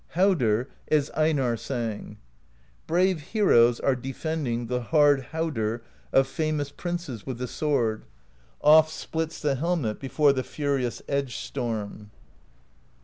Haudr,^ as Einarr sang: Brave heroes are defending The hard Haudr of famous princes With the sword; oft splits the helmet Before the furious edge storm.